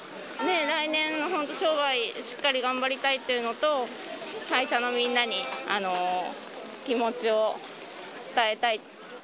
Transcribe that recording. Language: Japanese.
来年の本当、商売、しっかり頑張りたいっていうのと、会社のみんなに気持ちを伝えたい。